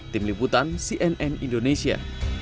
tim liputan cnn indonesia